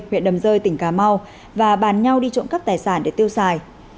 huyện đầm rơi tỉnh cà mau và bàn nhau đi trộm cắp tài sản để tiêu xài